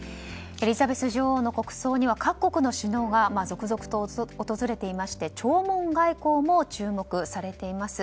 エリザベス女王の国葬には各国の首脳が続々と訪れていまして弔問外交も注目されています。